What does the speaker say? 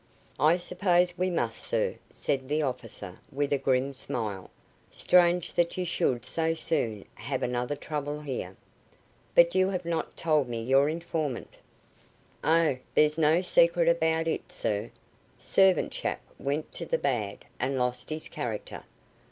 "I suppose we must, sir," said the officer, with a grim smile. "Strange that you should so soon have another trouble here." "But you have not told me your informant." "Oh, there's no secret about it, sir. Servant chap went to the bad, and lost his character.